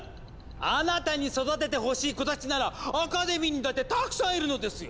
あなたに育ててほしい子たちならアカデミーにだってたくさんいるのですよ！